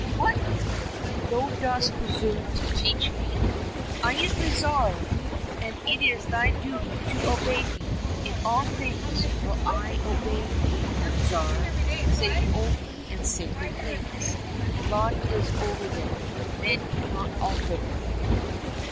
—" What ! thou dost presume to teach me } I am the Tsar, and it is thy duty to obey me." —" In all things will I obey thee, O Tsar, save only in sacred things. God is over them, men cannot alter them."